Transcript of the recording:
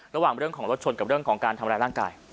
ระหว่างเรื่องของรถชนกับเรื่องของการทำร้ายร่างกาย